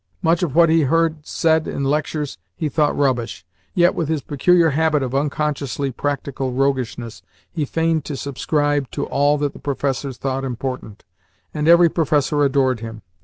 Much of what he heard said in lectures he thought rubbish, yet with his peculiar habit of unconsciously practical roguishness he feigned to subscribe to all that the professors thought important, and every professor adored him.